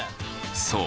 そう。